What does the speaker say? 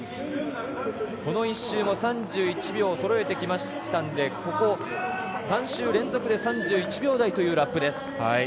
この１周も３１秒そろえてきましたのでここ、３週連続で３１秒台というラップです。